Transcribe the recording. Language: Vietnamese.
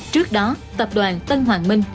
trước đó tập đoàn tân hoàng minh